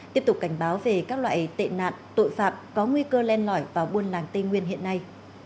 tiếp tục cảnh báo về các loại tệ nạn tội phạm có nguy cơ len lỏi vào buôn làng tây nguyên hiện nay